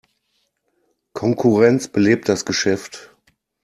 Konkurrenz belebt das Geschäft.